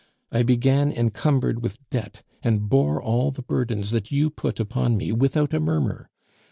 I began encumbered with debt, and bore all the burdens that you put upon me without a murmur.